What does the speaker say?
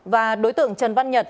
và đối tượng trần văn nhật